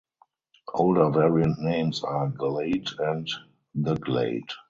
Older variant names are "Glade" and "The Glade".